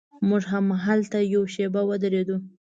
موږ همدلته یوه شېبه ودرېدو.